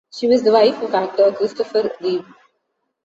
She was the wife of actor Christopher Reeve.